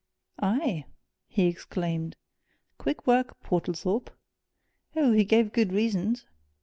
"Aye!" he exclaimed. "Quick work, Portlethorpe." "Oh, he gave good reasons!"